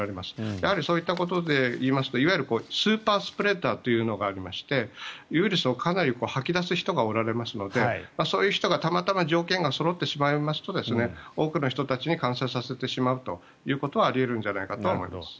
やはりそういったことでいうとスーパースプレッダーというのがあってウイルスをかなり吐き出す人がおられますのでそういう人がたまたま条件がそろってしまいますと多くの人たちに感染させてしまうことがあり得るんじゃないかとは思います。